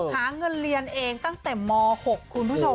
หาเงินเรียนเองตั้งแต่ม๖คุณผู้ชม